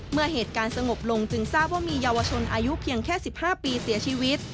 เมื่อเหตุการณ์สงบลงจึงทราบว่ามีเยาวชนอายุเพียงแค่๑๕ปีเสียชีวิต